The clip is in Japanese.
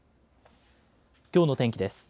きょうの天気です。